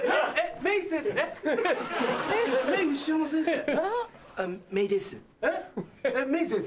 メイ先生？